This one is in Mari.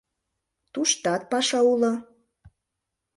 Туштат паша уло.